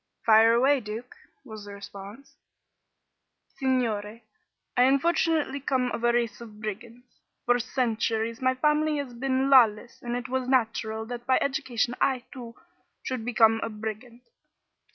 "Fire away, Duke," was the response. "Signore, I unfortunately come of a race of brigands. For centuries my family has been lawless and it was natural that by education I, too, should become a brigand.